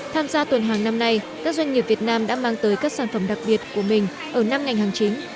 tham gia tuần hàng năm nay các doanh nghiệp việt nam đã mang tới các sản phẩm đặc biệt của mình ở năm ngành hàng chính